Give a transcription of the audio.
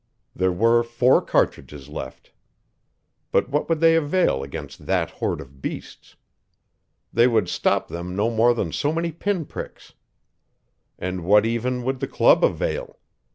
There were four cartridges left. But what would they avail against that horde of beasts! They would stop them no more than so many pin pricks. And what even would the club avail?